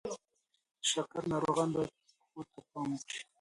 د شکر ناروغان باید پښو ته پام وکړي.